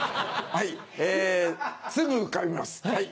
えすぐ浮かびます。